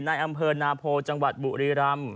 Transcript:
ในอำเภอนาโพจังหวัดบุรีรำ